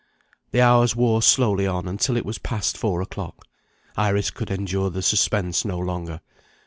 The hours wore slowly on until it was past four o'clock. Iris could endure the suspense no longer.